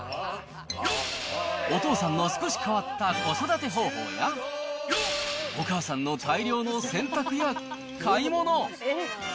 お父さんの少し変わった子育て方法や、お母さんの大量の洗濯や買い物。